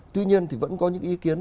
tuy nhiên thì vẫn có những ý kiến